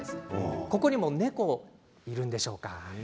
ここにも猫がいるんでしょうか。